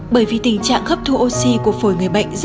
bởi vì tình trạng hấp thu oxy của phổi người bệnh